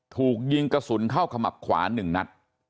ถูกยิงกระสุนเข้าขมับขวา๑นัด